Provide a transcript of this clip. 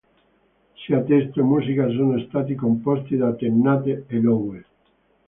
Sia testo e musica sono stati composti da Tennant e Lowe.